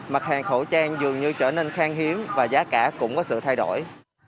mặt hàng khẩu trang dường như trở nên khang hiếm và giá cả cũng có sự thay đổi